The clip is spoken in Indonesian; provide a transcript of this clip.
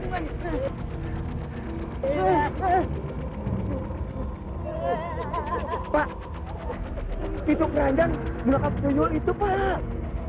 pak hidup randang melangkap tuyul itu pak